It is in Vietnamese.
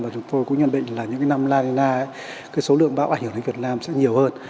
và chúng tôi cũng nhận định là những năm la nina số lượng bão ảnh hưởng đến việt nam sẽ nhiều hơn